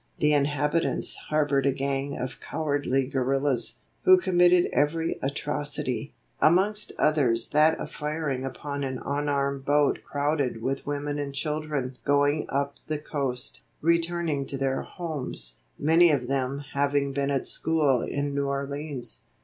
The inhabitants harbored a gang of cowardly guerrillas, who committed every atrocity, amongst others that of firing upon an unarmed boat crowded with women and children going up the coast, returning to their homes, many of them having been at school in New Orleans.